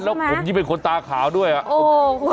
แล้วผมยิ่งเป็นคนตาขาวด้วยอ่ะโอ้โห